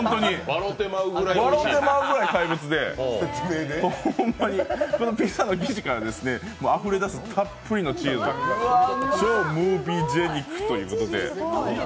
わろてまうぐらい怪物で、ホンマにピザの生地からあふれ出すたっぷりのチーズ超ムービージェニックということで。